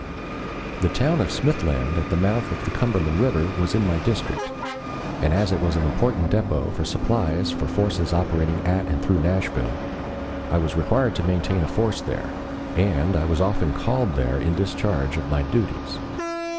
The town of Smithland at the mouth of the Cumberland River was in my district, and as it was an important dépôt for supplies for the forces operating at and through Nashville, I was required to maintain a force there, and I was often called there in discharge of my duties.